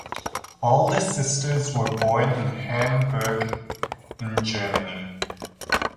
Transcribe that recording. All the sisters were born in Hamburg in Germany.